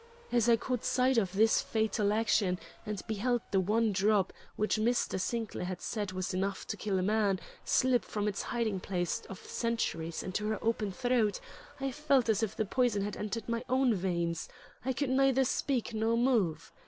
As I caught sight of this fatal action, and beheld the one drop, which Mr. Sinclair had said was enough to kill a man, slip from its hiding place of centuries into her open throat, I felt as if the poison had entered my own veins; I could neither speak nor move.